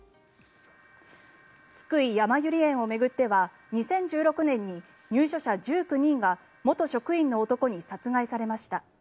津久井やまゆり園を巡っては２０１６年に入所者１９人が元職員の男に殺害されました。